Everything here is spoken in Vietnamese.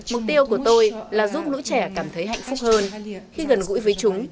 mục tiêu của tôi là giúp nữ trẻ cảm thấy hạnh phúc hơn khi gần gũi với chúng